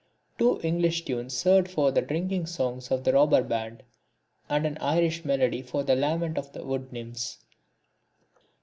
Two English tunes served for the drinking songs of the robber band, and an Irish melody for the lament of the wood nymphs.